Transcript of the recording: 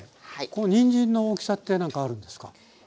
このにんじんの大きさって何かあるんですか？